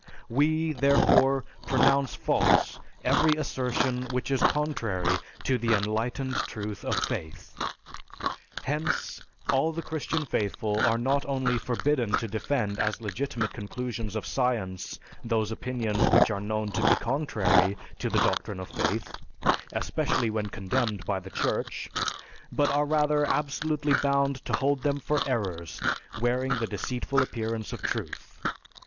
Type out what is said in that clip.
We, therefore, pronounce false every assertion which is contrary to the enlightened truth of faith.... Hence, all the Christian faithful are not only forbidden to defend as legitimate conclusions of science those opinions which are known to be contrary to the doctrine of faith, especially when condemned by the Church, but are rather absolutely bound to hold them for errors wearing the deceitful appearance of truth.